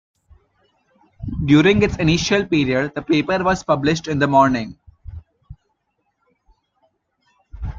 During its initial period the paper was published in the morning.